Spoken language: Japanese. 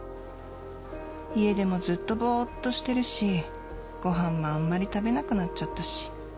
家でもずっとボーッとしてるしごはんもあんまり食べなくなっちゃったし。